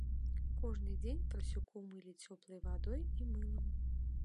Кожны дзень парсюкоў мылі цёплай вадой і мылам.